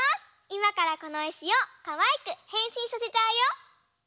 いまからこのいしをかわいくへんしんさせちゃうよ！